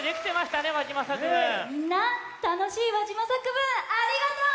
たのしいわじま作文ありがとう！